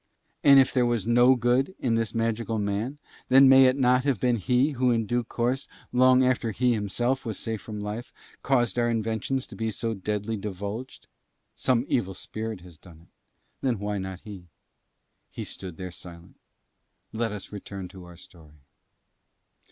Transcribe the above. And if there was no good in this magical man, then may it not have been he who in due course, long after he himself was safe from life, caused our inventions to be so deadly divulged? Some evil spirit has done it, then why not he? He stood there silent: let us return to our story.